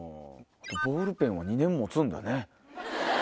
ボールペンは２年持つんだね。